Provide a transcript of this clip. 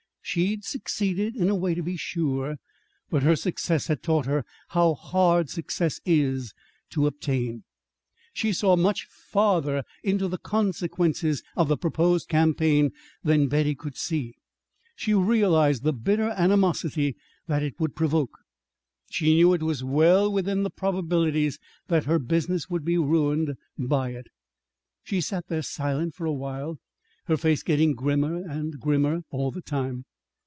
She'd succeeded, in a way, to be sure. But her success had taught her how hard success is to obtain. She saw much farther into the consequences of the proposed campaign than Betty could see. She realized the bitter animosity that it would provoke. She knew it was well within the probabilities that her business would be ruined by it. She sat there silent for a while, her face getting grimmer and grimmer all the time.